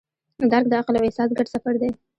درک د عقل او احساس ګډ سفر دی.